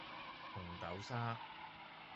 紅豆沙